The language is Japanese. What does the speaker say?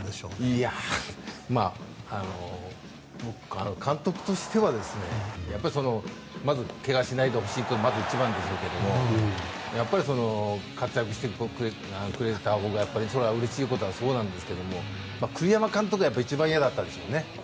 いやあ、監督としてはやっぱりまず怪我しないでほしいというのがまず一番でしょうけどもやっぱり活躍してくれたほうがそれはうれしいことはそうなんですが栗山監督が一番嫌だったでしょうね。